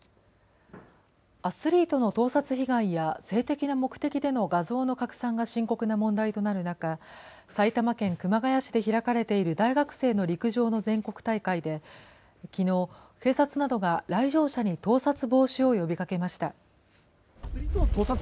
アスリートの盗撮被害や性的な目的での画像の拡散が深刻な問題となる中、埼玉県熊谷市で開かれている大学生の陸上の全国大会で、きのう、警察などが来場者に盗撮防止を呼びかけました。